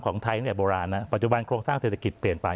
ของไทยเนี่ยโบราณนะปัจจุบันโครงสร้างเศรษฐกิจเปลี่ยนไป